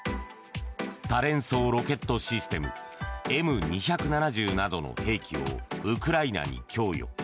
多連装ロケットシステムＭ２７０などの兵器をウクライナに供与。